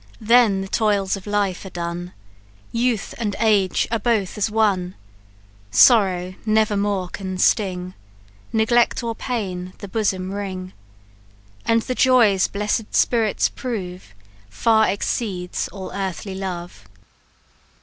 Then the toils of life are done, Youth and age are both as one; Sorrow never more can sting, Neglect or pain the bosom wring; And the joys bless'd spirits prove, Far exceeds all earthly love!"